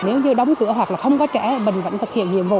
nếu như đóng cửa hoặc là không có trẻ mình vẫn thực hiện nhiệm vụ